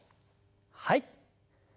はい。